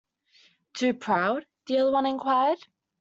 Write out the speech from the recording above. ‘Too proud?’ the other inquired.